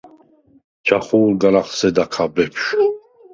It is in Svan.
ჯახუ̄ლ გარ ახსედა ქა, ბეფშვ.